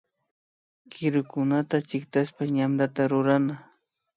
Kirukunata chiktashpa yantata rurana